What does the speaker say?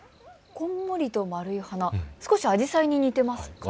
こんもりと丸い花、少しアジサイに似ていますか。